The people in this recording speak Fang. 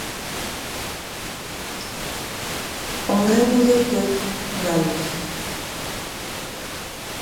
O ñga lighé ke ñgale,